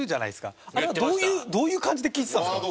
あれはどういう感じで聞いてたんですか？